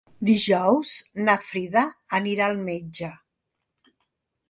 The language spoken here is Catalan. Dijous na Frida anirà al metge.